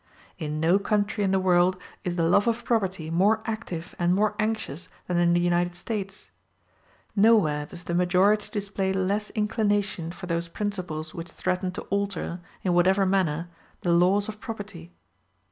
In no country in the world is the love of property more active and more anxious than in the United States; nowhere does the majority display less inclination for those principles which threaten to alter, in whatever manner, the laws of property.